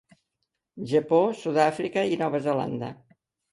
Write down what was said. Japó, Sud-àfrica i Nova Zelanda.